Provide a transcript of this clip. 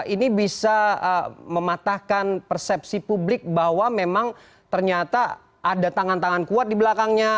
ini bisa mematahkan persepsi publik bahwa memang ternyata ada tangan tangan kuat di belakangnya